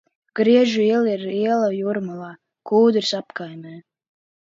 Griežu iela ir iela Jūrmalā, Kūdras apkaimē.